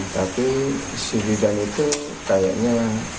tapi si bidan itu kayaknya